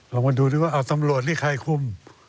เรามาดูด้วยว่าสำรวจนี่ใครคุม